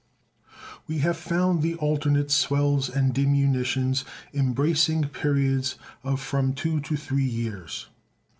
We have found the alternate swells and diminutions embracing periods of from two to three years.